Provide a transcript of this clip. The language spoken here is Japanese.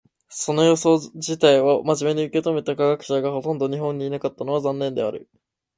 その予想自体を真面目に受け止めた科学者がほとんど日本にいなかったのは残念である。